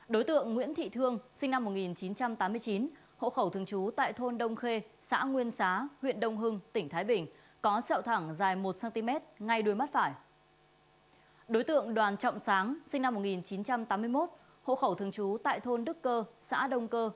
đối tượng đoàn trọng sáng sinh năm một nghìn chín trăm tám mươi một hộ khẩu thường trú tại thôn đức cơ xã đông cơ